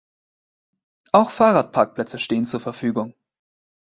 Auch Fahrradparkplätze stehen zur Verfügung.